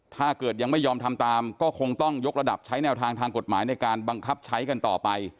ถ้าเกิดยังไม่ยอมทำตามก็คงต้องยกระดับใช้แนวทางทางกฎหมายในการบังคับใช้กันต่อไป